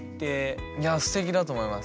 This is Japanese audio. いやステキだと思います。